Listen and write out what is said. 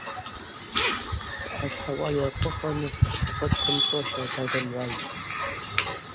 Дъарцауа йырхъвыхырныс ацӏыхъва дтымцӏуа щарда дымгӏвайстӏ.